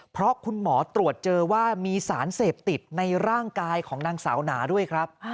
เพราะคุณหมอตรวจเจอว่ามีสารเสพติดในร่างกายของนางสาวหนาด้วยครับ